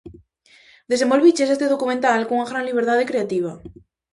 Desenvolviches este documental cunha gran liberdade creativa.